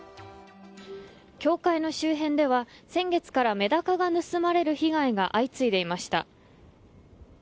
教会の周辺では、先月からメダカが盗まれる被害が相次いでいました。